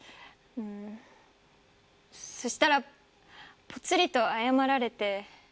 んそしたらポツリと謝られて。